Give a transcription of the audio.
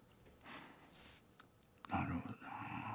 なるほどな。